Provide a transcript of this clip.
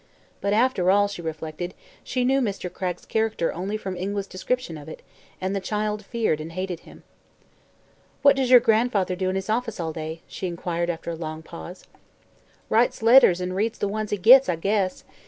But, after all, she reflected, she knew Mr. Cragg's character only from Ingua's description of it, and the child feared and hated him. "What does your grandfather do in his office all day?" she inquired after a long pause. "Writes letters an' reads the ones he gits, I guess.